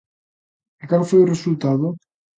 ¿E cal foi o resultado?